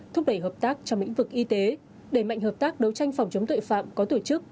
thúc đẩy hợp tác trong lĩnh vực y tế đẩy mạnh hợp tác đấu tranh phòng chống tội phạm có tổ chức